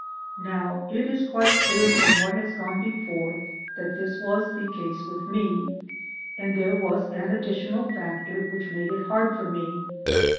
Now it is quite clear from what has gone before that this was the case with me. And there was an additional factor which made it hard for me.